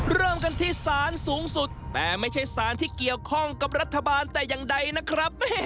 เริ่มกันที่สารสูงสุดแต่ไม่ใช่สารที่เกี่ยวข้องกับรัฐบาลแต่อย่างใดนะครับ